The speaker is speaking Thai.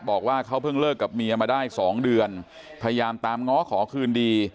บอกว่าเขาเพิ่งเลิกกับเมียมาได้๒เดือนพยายามตามง้อขอคืนดี